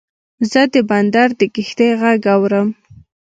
زه د بندر د کښتۍ غږ اورم.